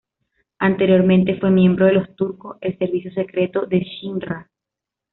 Anteriormente fue miembro de Los Turcos, el servicio secreto de Shin-Ra.